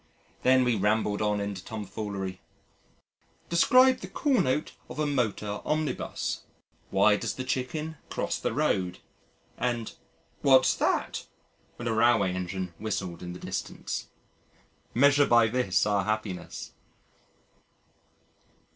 Then we rambled on into Tomfoolery. "Describe the call note of a motor omnibus." "Why does the chicken cross the road?" and "What's that?" when a railway engine whistled in the distance. Measure by this our happiness!